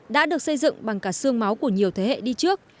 đã được xây dựng bằng cả xương máu của nhiều thế hệ đi trước